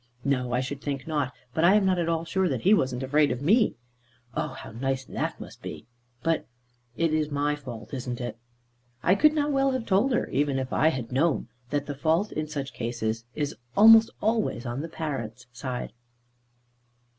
"No, I should think not. But I am not at all sure that he wasn't afraid of me." "Oh, how nice that must be! But it is my fault, isn't it?" I could not well have told her, even if I had known it, that the fault in such cases is almost always on the parent's side.